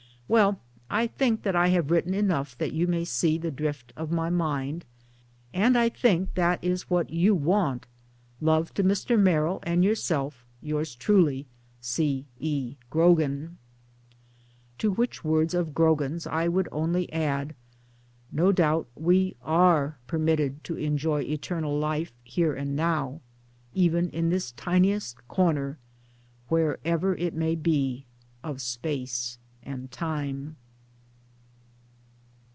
Well, I think that I have written enough that you may see the drift of my mind, and I think that is what you want. Love to Mr. Merrill and yourself, yours truly, C. E. GROGAN." To which words of Grogan's I would only add :" No doubt we are permitted to enjoy eternal life here and now even in this tiniest corner, wherever it may be, of space and time.."